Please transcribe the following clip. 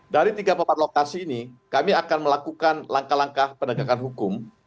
dari tiga puluh empat lokasi ini kami akan melakukan langkah langkah penegakan hukum